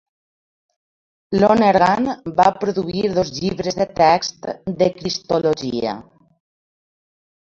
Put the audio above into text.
Lonergan va produir dos llibres de text de cristologia.